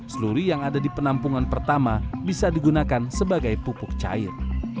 seluri yang ada di penampungan pertama bisa digunakan sebagai pupuk cair